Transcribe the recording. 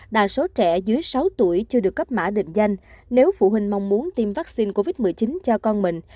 đa số trẻ dưới sáu tuổi chưa được cấp mã định danh nếu phụ huynh mong muốn tiêm vaccine covid một mươi chín cho con mình